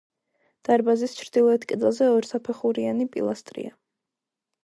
დარბაზის ჩრდილოეთ კედელზე ორსაფეხურიანი პილასტრია.